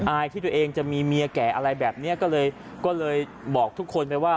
อายที่ตัวเองจะมีเมียแก่อะไรแบบนี้ก็เลยก็เลยบอกทุกคนไปว่า